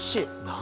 何？